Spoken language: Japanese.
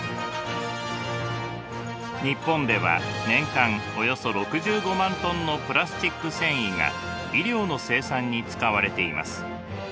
日本では年間およそ６５万ｔのプラスチック繊維が衣料の生産に使われています。